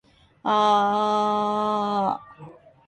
あああああああああああああああああああ